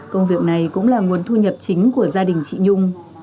công việc này cũng là nguồn thu nhập chính của gia đình chị nhung